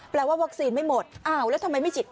ว่าวัคซีนไม่หมดอ้าวแล้วทำไมไม่ฉีด